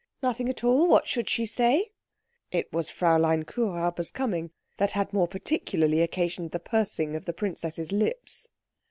"Nothing at all. What should she say?" It was Fräulein Kuhräuber's coming that had more particularly occasioned the pursing of the princess's lips.